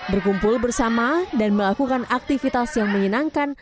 berkumpul bersama dan melakukan aktivitas yang menyenangkan